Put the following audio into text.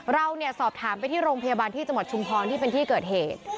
เราเนี่ยสอบถามไปที่โรงพยาบาลที่จังหวัดชุมพรที่เป็นที่เกิดเหตุ